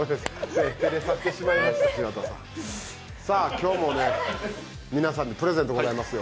今日も皆さんにプレゼントございますよ。